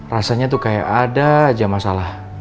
rasanya tuh kayak ada aja masalah